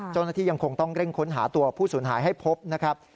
ยังคงต้องเร่งค้นหาตัวผู้สูญหายให้พบนะครับ